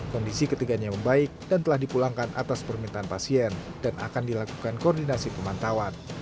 kondisi ketiganya membaik dan telah dipulangkan atas permintaan pasien dan akan dilakukan koordinasi pemantauan